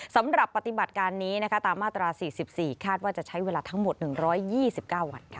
สำหรับปฏิบัติการนี้ตามมาตรา๔๔คาดว่าจะใช้เวลาทั้งหมด๑๒๙วันค่ะ